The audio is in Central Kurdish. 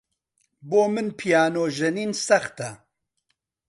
بۆ من پیانۆ ژەنین سەختە.